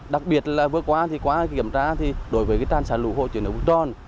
đặc biệt là vừa qua thì qua kiểm tra thì đối với cái tràn sản lũ hồ chứa nấu tròn